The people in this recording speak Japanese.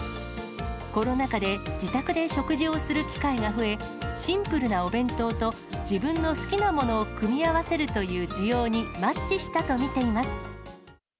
コロナ禍で、自宅で食事をする機会が増え、シンプルなお弁当と、自分の好きなものを組み合わせるという需要にマッチしたと見ています。